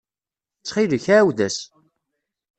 Ttxil-k, ɛawed-as.